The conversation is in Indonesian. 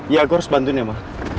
ya aku harus bantuin ya ma